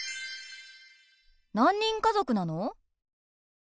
何人家族なの？